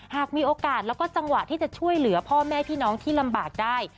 หากมีโอกาสแล้วก็จังหวะที่จะช่วยเหลือพ่อแม่พี่น้องที่ลำบากได้